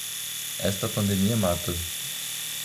Esta pandemia mata.